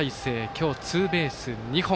今日、ツーベース２本。